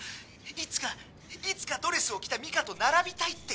いつかいつかドレスを着たミカと並びたいって。